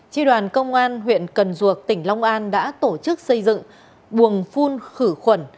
tri đoàn công an huyện cần duộc tỉnh long an đã tổ chức xây dựng buồng phun khử khuẩn